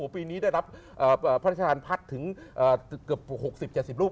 ปีนี้ได้รับพระราชทานพัฒน์ถึงเกือบ๖๐๗๐รูป